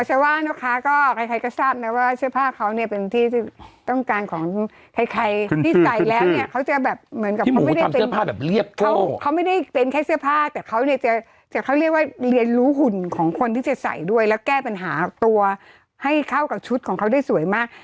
จะใส่แบบเท้าเขาไม่ได้เป็นแค่เสื้อผ้าแต่เขาเนี่ยจะก็เขาเรียกว่าเรียนรู้หุ่นของคนที่จะใส่ด้วยแล้วแก้ปัญหาตัวให้เข้ากับชุดของเขาได้สวยมาก